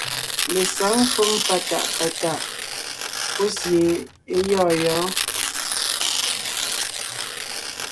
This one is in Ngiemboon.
Lesǎŋ shúm patàʼ patàʼ pɔ́ sie é gyɔ́ɔn.